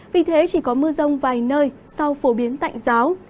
vì thế chỉ có mưa rông vài nơi sau phổ biến tạnh giáo